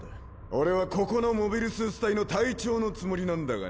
俺はここのモビルスーツ隊の隊長のつもりなんだがね。